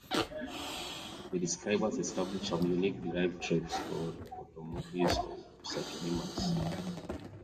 The describers established some unique derived traits or autapomorphies of "Suchomimus".